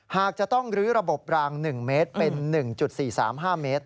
หากจะต้องลื้อระบบราง๑เมตรเป็น๑๔๓๕เมตร